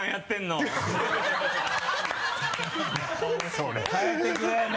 そうね。